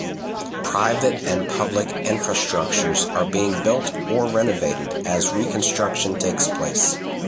Private and public infrastructures are being built or renovated as reconstruction takes place.